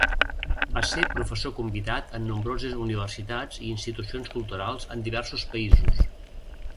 Va ser professor convidat en nombroses universitats i institucions culturals en diversos països.